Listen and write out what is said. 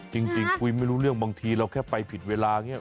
จริงคุยไม่รู้เรื่องบางทีเราแค่ไปผิดเวลา